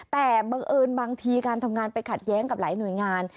แต่บังเอิญบางทีการทำงานไปขัดแย้งกับหลายหน่วยงาน